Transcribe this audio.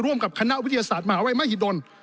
ร่วมกับคณะวิทยาศาสตร์มหาวัยมหิดล